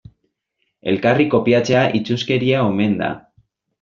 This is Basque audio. Elkarri kopiatzea itsuskeria omen da.